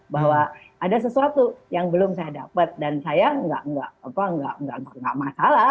bahwa ada sesuatu yang belum saya dapat dan saya nggak masalah